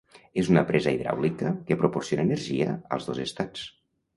És una presa hidràulica que proporciona energia als dos estats.